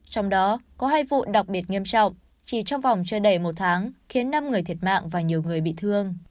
trong đó có hai vụ đặc biệt nghiêm trọng chỉ trong vòng chưa đầy một tháng khiến năm người thiệt mạng và nhiều người bị thương